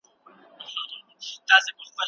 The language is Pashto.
د ماشوم مهارتونه په لوبو وده کوي.